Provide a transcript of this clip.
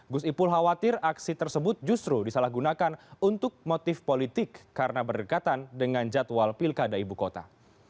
gus ipul khawatir aksi tersebut justru disalahgunakan untuk motif politik karena berdekatan dengan jadwal pilkada ibu kota